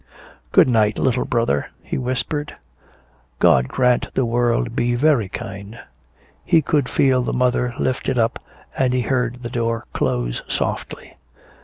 "Good night, little brother," he whispered. "God grant the world be very kind." He could feel the mother lift it up, and he heard the door close softly.